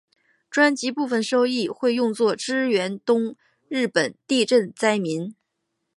专辑部分收益会用作支援东日本地震灾民。